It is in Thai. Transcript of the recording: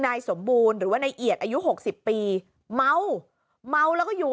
นายสมบูรณ์หรือว่านายเอียดอายุหกสิบปีเมาเมาแล้วก็อยู่